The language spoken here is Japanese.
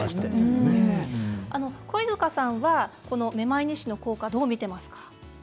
肥塚さんはめまい日誌の効果をどう見ていますか。